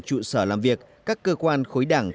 trụ sở làm việc các cơ quan khối đảng